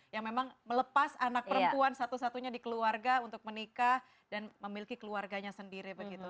yang memang melepas anak perempuan satu satunya di keluarga untuk menikah dan memiliki keluarganya sendiri begitu